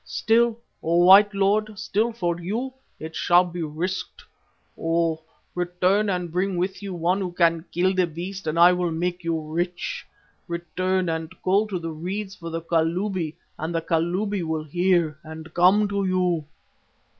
Still, O White Lord, still for you it shall be risked. Oh, return and bring with you one who can kill the beast and I will make you rich. Return and call to the reeds for the Kalubi, and the Kalubi will hear and come to you.